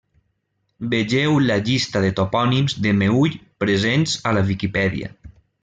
Vegeu la llista dels Topònims del Meüll presents a la Viquipèdia.